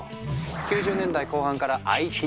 ９０年代後半からＩＴブーム。